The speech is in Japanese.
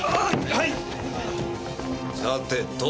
はい。